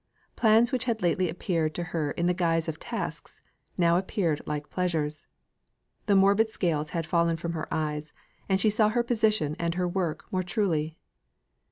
Plans which had lately appeared to her in the guise of tasks, now appeared like pleasures. The morbid scales had fallen from her eyes, and she saw her position and her work more truly.